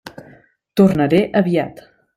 Tornaré aviat.